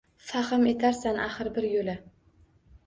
Fahm etarsan axir bir yo’la.